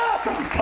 あ！